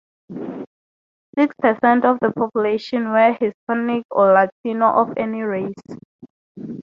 Six percent of the population were Hispanic or Latino of any race.